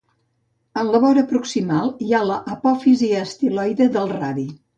En la vora proximal hi ha l'apòfisi estiloide del radi.